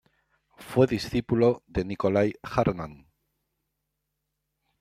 Fue discípulo de Nicolai Hartmann.